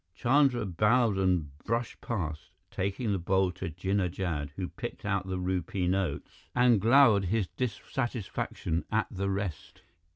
Chandra bowed and brushed past, taking the bowl to Jinnah Jad, who picked out the rupee notes and glowered his dissatisfaction at the rest.